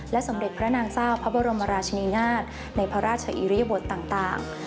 สมเด็จพระนางเจ้าพระบรมราชนีนาฏในพระราชอิริยบทต่าง